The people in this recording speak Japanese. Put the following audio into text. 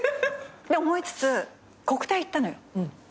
で思いつつ国体行ったのよ。